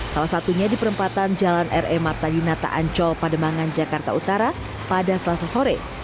salah satunya di perempatan jalan r e martalina ta'ancol pademangan jakarta utara pada selasa sore